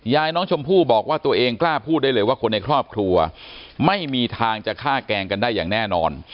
ยายน้องชมพู่บอกว่าตัวเองกล้าพูดได้เลยว่าคนในครอบครัวไม่มีทางจะฆ่าแกล้งกันได้อย่างแน่นอน